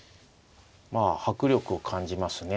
迫力を感じますね。